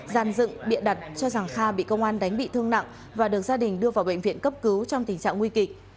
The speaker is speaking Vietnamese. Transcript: giàn dựng bịa đặt cho rằng kha bị công an đánh bị thương nặng và được gia đình đưa vào bệnh viện cấp cứu trong tình trạng nguy kịch